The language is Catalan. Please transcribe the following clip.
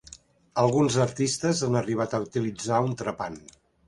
Alguns artistes han arribat a utilitzar un trepant.